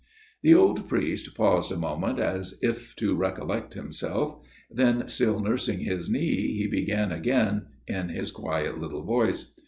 The old priest paused a moment as if to recollect himself ; then, still nursing his knee, he began again in his quiet little voice.